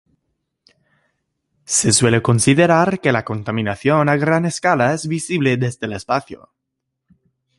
Se suele considerar que la contaminación a gran escala es visible desde el espacio.